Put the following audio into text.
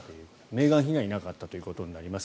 メーガン妃はいなかったということになります。